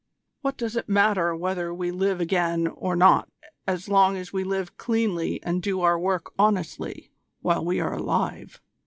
"What does it matter whether we live again or not as long as we live cleanly and do our work honestly while we are alive?